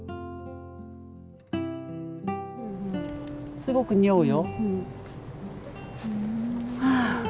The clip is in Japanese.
すごく匂うよ。